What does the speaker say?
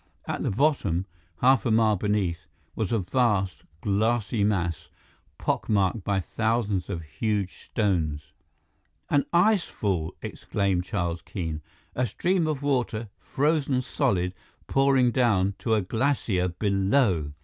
At the bottom, half a mile beneath, was a vast, glassy mass, pock marked by thousands of huge stones. "An icefall!" exclaimed Charles Keene. "A stream of water, frozen solid, pouring down to a glacier below!"